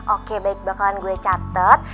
oke baik bakalan gue catet